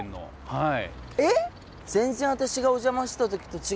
はい！